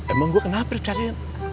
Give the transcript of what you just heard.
emang gue kenapa dicariin